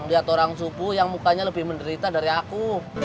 lihat orang subuh yang mukanya lebih menderita dari aku